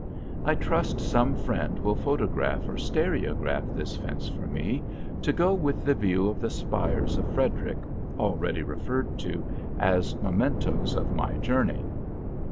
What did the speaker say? I trust some friend will photograph or stereograph this fence for me, to go with the view of the spires of Frederick, already referred to, as mementos of my journey.